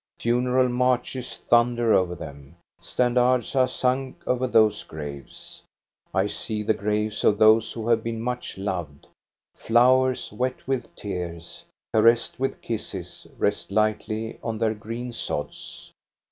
Funeral marches thunder over them. Standards are sunk over those graves. I see the graves of those who have been much loved. Flowers, wet with tears, caressed with kisses, rest lightly on their green sods.